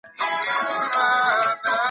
خوندى عبدالکبير نقشبندي